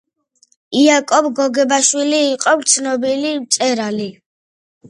იაკობ გოგებაშვილი იყო ცნობილი მწერალი